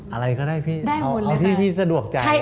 อะไรก็ได้พี่เอาที่พี่สะดวกใจ